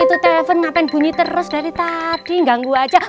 itu telepon ngapain bunyi terus dari tadi ganggu aja